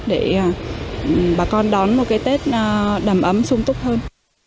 để bà con đón một cái tết đầm ấm sung túc hơn